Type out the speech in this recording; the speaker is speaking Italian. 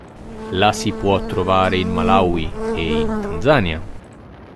La si può trovare in Malawi e in Tanzania.